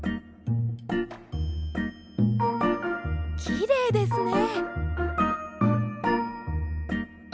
きれいですね。